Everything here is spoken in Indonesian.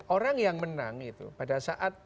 orang yang menang itu pada saat